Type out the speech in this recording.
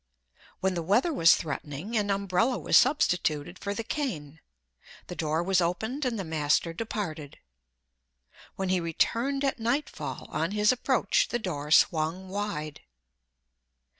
When the weather was threatening, an umbrella was substituted for the cane. The door was opened, and the master departed. When he returned at nightfall, on his approach the door swung wide.